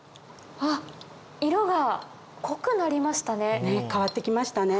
あっ色が濃くなりましたね。